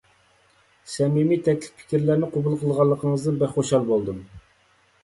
سەمىمىي تەكلىپ-پىكىرلەرنى قوبۇل قىلغانلىقىڭىزدىن بەك خۇشال بولدۇم.